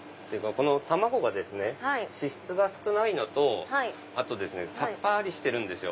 この卵が脂質が少ないのとさっぱりしてるんですよ。